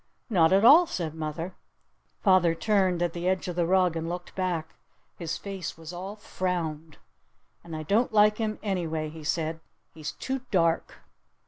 "Not at all," said mother. Father turned at the edge of the rug and looked back. His face was all frowned. "And I don't like him anyway," he said. "He's too dark!"